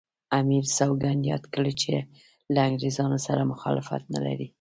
امیر سوګند یاد کړ چې له انګریزانو سره مخالفت نه لري.